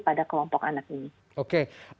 pada kelompok anak ini